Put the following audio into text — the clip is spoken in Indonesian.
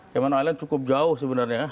kayman alex cukup jauh sebenarnya